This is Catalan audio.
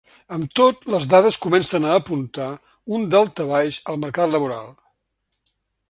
Amb tot, les dades comencen a apuntar un daltabaix al mercat laboral.